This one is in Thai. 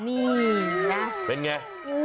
นี่นะเป็นไง